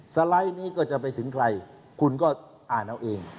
สไลด์นี้ก็จะไปถึงใครคุณก็อ่านเอาเอง